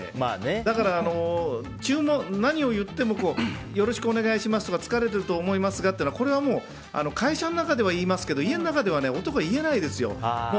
だから、何を言ってもよろしくお願いしますとか疲れてると思いますがとかそういうのは会社の中では言いますけど家の中では男は言えないですよ。